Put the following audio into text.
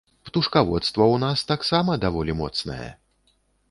Птушкаводства ў нас таксама даволі моцнае.